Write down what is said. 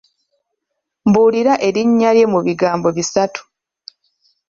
Mbuulira erinnya lye mu bigambo bisatu.